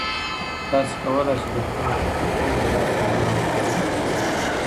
تاسې کولای سئ د خپلو تخلیقي نظریاتو سره نور همکارۍ وکړئ.